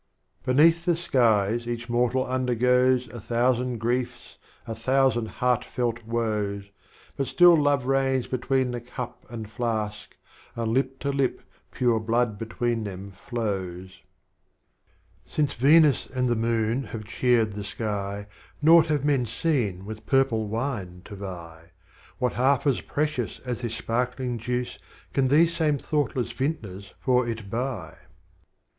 41 XIII. Beneath the Skies each Mortal undergoes A thousand Griefs, a thousand Heartfelt Woes, But still Love reigns between the Cup and Flask, And Lip to Lip pure Blood between them flows. Since Venus and the Moon have cheered the Sky, Naught have Men seen with Purple Wine to vie; What half as precious as this sparkling Juice, Can these same thoughtless Vintners for it buy?"